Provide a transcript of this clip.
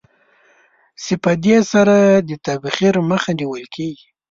چې په دې سره د تبخیر مخه نېول کېږي.